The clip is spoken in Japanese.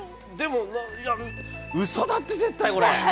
うそだって、絶対これ。